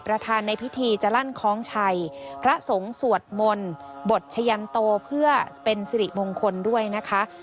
ประธานในพิธีจะลั่นคล้องชัยพระสงฆ์สวดมนต์บทชะยันโตเพื่อเป็นสิริมงคลด้วยนะคะ